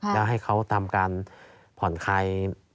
แล้วให้เขาทำการผ่อนคลาย